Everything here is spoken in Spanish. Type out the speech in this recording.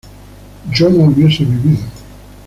yo no hubiese vivido